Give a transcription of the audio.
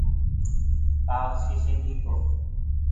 ڪآ هوسيٚ سنڌي ڪو